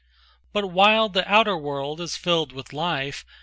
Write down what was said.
But while the outer world is filled with life.